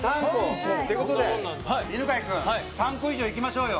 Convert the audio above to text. ってことで、犬飼君３個以上いきましょうよ。